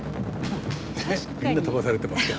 ねえみんな飛ばされてますよ。